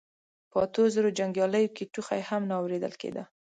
په اتو زرو جنګياليو کې ټوخی هم نه اورېدل کېده.